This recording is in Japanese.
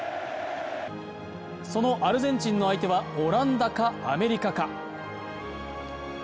そのアルゼンチンの相手はオランダか、アメリカか。